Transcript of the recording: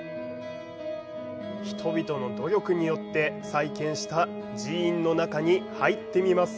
人々の努力によって再建した寺院の中に入ってみます。